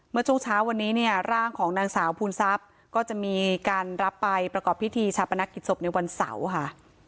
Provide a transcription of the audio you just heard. เมื่อช่วงเช้าวันนี้เนี่ยร่างของนางสาวภูมิทรัพย์ก็จะมีการรับไปประกอบพิธีชาปนกิจศพในวันเสาร์ค่ะ